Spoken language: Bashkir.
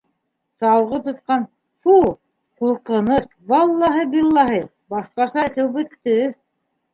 — Салғы тотҡан, фу, ҡурҡыныс, валлаһи-биллаһи, башҡаса эсеү бөттө.